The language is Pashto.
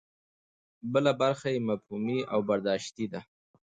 بله برخه یې مفهومي او برداشتي ده.